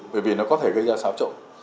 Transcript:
bởi vì nó có thể gây ra xáo trộn